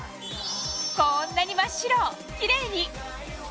こんなに真っ白キレイに！